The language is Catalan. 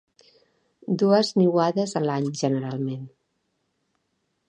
Dues niuades a l'any generalment.